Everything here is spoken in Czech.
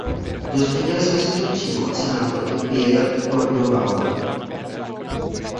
Dozvěděli jsme se to přímo od senátorky Piedad Córdobaové.